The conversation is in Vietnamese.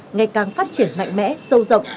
ngày càng phát triển mạnh mẽ sâu rộng